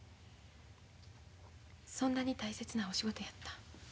そんなに大切なお仕事やったん？